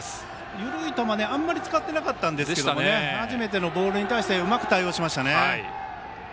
緩い球、あまり使ってなかったんですけど初めてのボールに対してうまく対応しましたね。